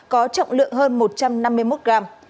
có trọng lượng hơn một trăm năm mươi một gram